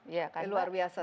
iya luar biasa